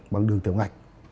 bằng đường tiểu ngạch